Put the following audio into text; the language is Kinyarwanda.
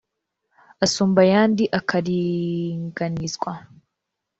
asumba ayandi akaringanizwa